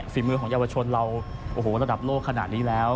ฝีมือของเยาวชนเราโอ้โหระดับโลกขนาดนี้แล้ว